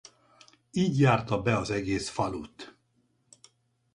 Így járta be az egész falut.